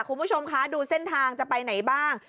คุณผู้ชมคะดูเส้นทางจะไปไหนบ้าง